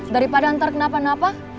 daripada ntar kenapa napa